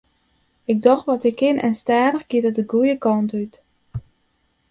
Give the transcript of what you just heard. Ik doch wat ik kin en stadich giet it de goede kant út.